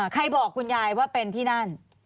ใครบอกคุณยายว่าเป็นที่นั่น